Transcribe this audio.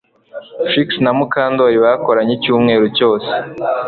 Trix na Mukandoli bakoranye icyumweru cyose